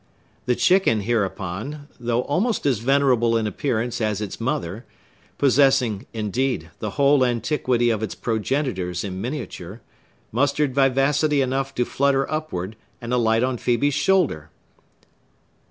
The chicken, hereupon, though almost as venerable in appearance as its mother—possessing, indeed, the whole antiquity of its progenitors in miniature,—mustered vivacity enough to flutter upward and alight on Phœbe's shoulder.